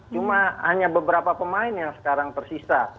cuma hanya beberapa pemain yang sekarang tersisa